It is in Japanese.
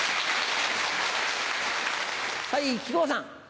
はい木久扇さん。